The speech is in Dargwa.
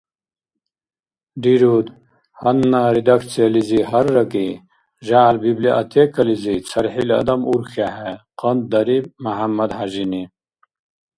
— Рируд, гьанна редакциялизи гьарракӀи, жягӀял библиотекализи цархӀил адам урхьехӀе, — къантӀдариб МяхӀяммадхӀяжини.